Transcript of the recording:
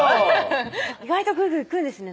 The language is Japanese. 意外とグイグイ行くんですね